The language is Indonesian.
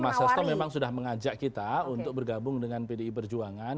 mas hasto memang sudah mengajak kita untuk bergabung dengan pdi perjuangan